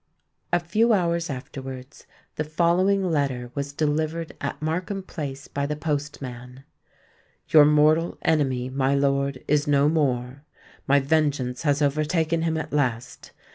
A few hours afterwards, the following letter was delivered at Markham Place by the postman:— "Your mortal enemy, my lord, is no more. My vengeance has overtaken him at last.